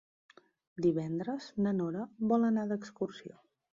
Divendres na Nora vol anar d'excursió.